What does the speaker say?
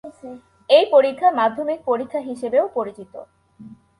এই পরীক্ষা মাধ্যমিক পরীক্ষা হিসেবেও পরিচিত।